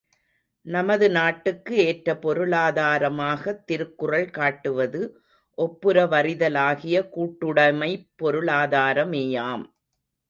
நமது நாட்டுக்கு ஏற்ற பொருளாதாரமாகத் திருக்குறள் காட்டுவது ஒப்புரவறிதலாகிய கூட்டுடைமைப் பொருளாதாரமேயாம்.